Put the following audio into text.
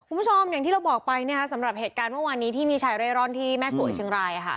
คุณผู้ชมอย่างที่เราบอกไปสำหรับเหตุการณ์เมื่อวานนี้ที่มีชายเร่ร่อนที่แม่สวยเชียงราย